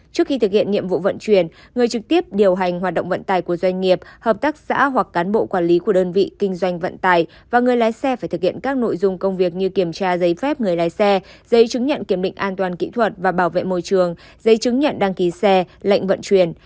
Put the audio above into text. trước khi thực hiện nhiệm vụ vận chuyển người trực tiếp điều hành hoạt động vận tài của doanh nghiệp hợp tác xã hoặc cán bộ quản lý của đơn vị kinh doanh vận tải và người lái xe phải thực hiện các nội dung công việc như kiểm tra giấy phép người lái xe giấy chứng nhận kiểm định an toàn kỹ thuật và bảo vệ môi trường giấy chứng nhận đăng ký xe lệnh vận chuyển